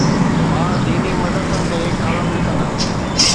مان ديني مدرسن تي ڪالم لکندس.